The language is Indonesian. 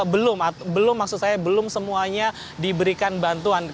belum belum maksud saya belum semuanya diberikan bantuan